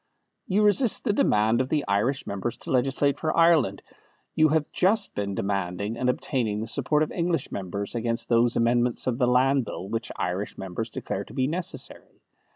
"You resist the demand of the Irish members to legislate for Ireland; you have just been demanding, and obtaining, the support of English members against those amendments of the Land Bill which Irish members declare to be necessary.